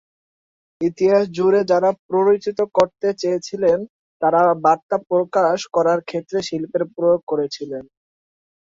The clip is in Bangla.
ইতিহাস জুড়ে যারা প্ররোচিত করতে চেয়েছিলেন তারা বার্তা প্রকাশ করার ক্ষেত্রে শিল্পের প্রয়োগ করেছিলেন।